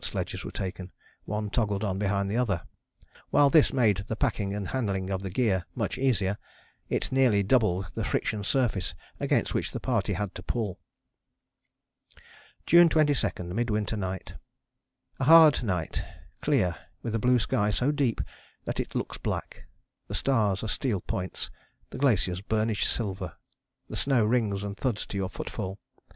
sledges were taken, one toggled on behind the other. While this made the packing and handling of the gear much easier, it nearly doubled the friction surface against which the party had to pull. June 22. Midwinter Night. A hard night: clear, with a blue sky so deep that it looks black: the stars are steel points: the glaciers burnished silver. The snow rings and thuds to your footfall.